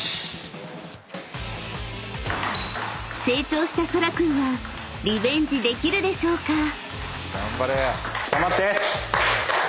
［成長したそら君はリベンジできるでしょうか？］